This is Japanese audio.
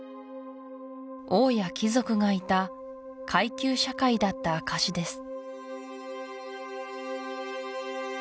王や貴族がいた階級社会だった証しです